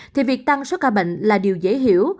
thì việc tăng số ca bệnh là điều dễ hiểu